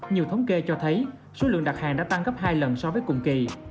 nhiều thống kê cho thấy số lượng đặt hàng đã tăng gấp hai lần so với cùng kỳ